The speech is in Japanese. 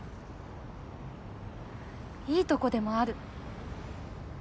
いいとこでもある。